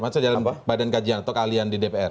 kalau jalan badan gajian atau kalian di dpr